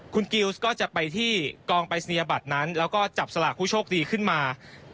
คุณกิลสก็จะไปที่กองปรายศนียบัตรนั้นแล้วก็จับสลากผู้โชคดีขึ้นมา